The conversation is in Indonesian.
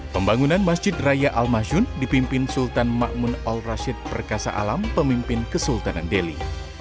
pembangunan masjid raya al matsun dipimpin sultan mahmud al rasid perkasa alam pemimpin kesultanan delhi